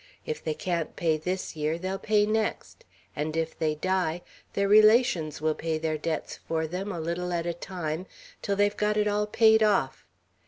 If they can't pay this year, they'll pay next; and if they die, their relations will pay their debts for them, a little at a time, till they've got it all paid off.